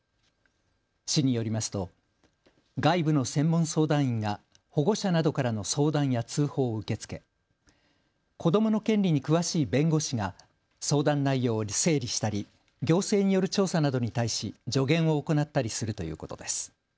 市によりますと外部の専門相談員が保護者などからの相談や通報を受け付け、子どもの権利に詳しい弁護士が相談内容を整理したり行政による調査などに対し助言を行ったりするということです。